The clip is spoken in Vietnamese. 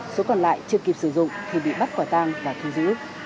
số còn lại chưa kịp sử dụng thì bị bắt quả tang và thù dữ